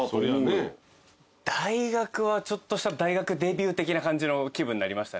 大学はちょっとした大学デビュー的な感じの気分になりましたね